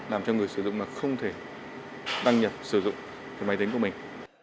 làm cho người sử dụng mà không thể đăng nhập sử dụng máy tính của mình